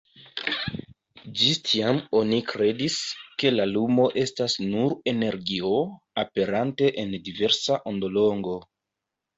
Ĝis tiam oni kredis, ke la lumo estas nur energio, aperante en diversa ondolongo.